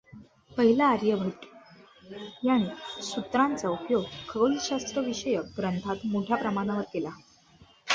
पहिला आर्यभट्ट याने सूत्रांचा उपयोग खगोलशास्त्र विषयक ग्रंथांत मोठ्या प्रमाणावर केला.